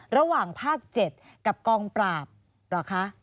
ระหว่างภาค๗กับกองปราบเหรอคะ